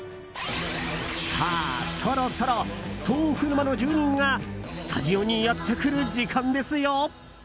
さあ、そろそろ豆腐沼の住人がスタジオにやってくる時間ですよ。